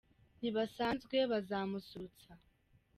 Ntibasanzwe bazamusurutsa